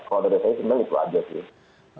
kalau dari saya sebenarnya itu aja sih